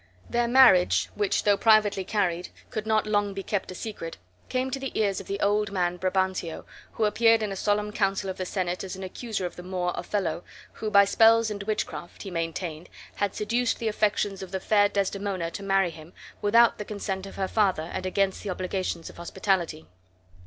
Their marriage, which, though privately carried, could not long be kept a secret, came to the ears of the old man, Brabantio, who appeared in a solemn council of the senate as an accuser of the Moor Othello, who by spells and witchcraft (he maintained) had seduced the affections of the fair Desdemona to marry him, without the consent of her father, and against the obligations of hospitality.